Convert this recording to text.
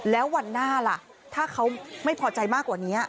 แล้ววันหน้าล่ะถ้าเขาไม่พอใจมากกว่านี้